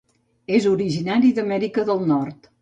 És originari d'Amèrica del Nord.